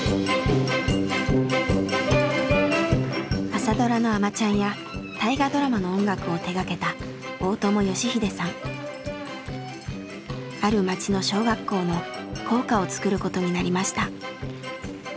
朝ドラの「あまちゃん」や大河ドラマの音楽を手がけたある町の小学校の校歌をつくることになりました。